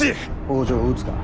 北条を討つか。